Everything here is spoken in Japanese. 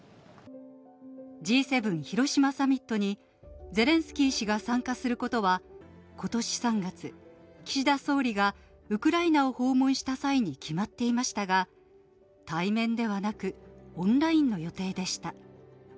Ｇ７広島サミットに、ゼレンスキー氏が参加することは、ことし３月、岸田総理がウクライナを訪問した際に決まっていましたが、対面ではなく、オンラインの予定でした。